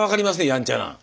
やんちゃな。